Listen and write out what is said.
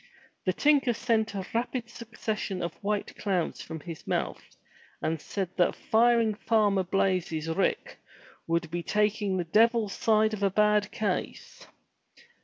The tinker sent a rapid succession of white clouds from his mouth and said that firing Farmer Blaize's rick would be taking the devil's side of a bad case.